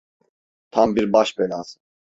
Tam bir baş belası.